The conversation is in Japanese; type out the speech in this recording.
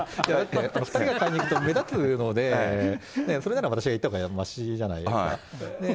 ２人が行くと目立つので、それなら私が行ったほうがましじゃないですか。